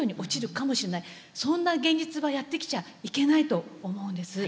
そんな現実はやって来ちゃいけないと思うんです。